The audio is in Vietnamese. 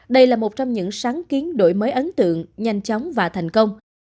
đây là một trong những sáng kiến đổi mới ấn tượng nhanh chóng và thành công